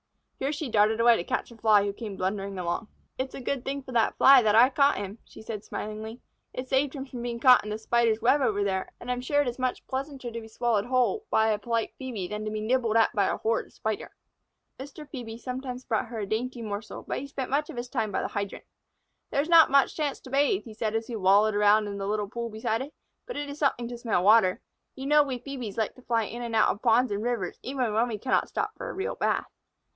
Here she darted away to catch a Fly who came blundering along. "It's a good thing for that Fly that I got him," she said, smilingly. "It saved him from being caught in the Spider's web over there, and I am sure it is much pleasanter to be swallowed whole by a polite Phœbe than to be nibbled at by a horrid Spider." Mr. Phœbe sometimes brought her a dainty morsel, but he spent much of his time by the hydrant. "There is not much chance to bathe," he said, as he wallowed around in the little pool beside it, "but it is something to smell water. You know we Phœbes like to fly in and out of ponds and rivers, even when we cannot stop for a real bath."